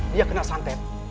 dia kena santet